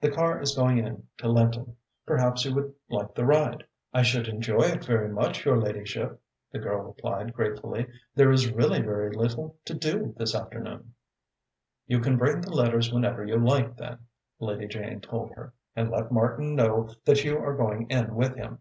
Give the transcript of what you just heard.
The car is going in to Lynton. Perhaps you would like the ride?" "I should enjoy it very much, your ladyship," the girl replied gratefully. "There is really very little to do this afternoon." "You can bring the letters whenever you like, then," Lady Jane told her, "and let Martin know that you are going in with him."